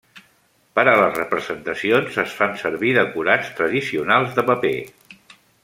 Per a les representacions es fan servir decorats tradicionals de paper.